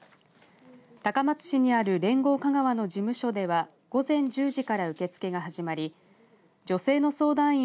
高松市にある連合香川の事務所では午前１０時から受け付けが始まり女性の相談員